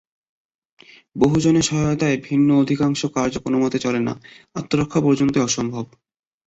বহুজনের সহায়তা ভিন্ন অধিকাংশ কার্য কোনমতে চলে না, আত্মরক্ষা পর্যন্ত অসম্ভব।